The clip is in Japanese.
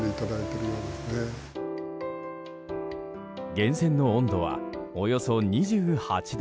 源泉の温度は、およそ２８度。